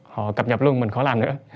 họ cập nhập luôn mình khó làm nữa